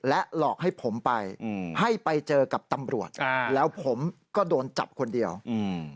หลอกให้ผมไปอืมให้ไปเจอกับตำรวจอ่าแล้วผมก็โดนจับคนเดียวอืม